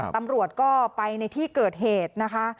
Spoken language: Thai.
ตำรวจก็ไปในที่เกิดเหตุนะคะ